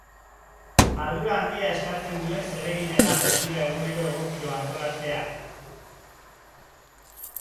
Ardura handia eskatzen duen zeregina da motxila egunero egokiro antolatzea.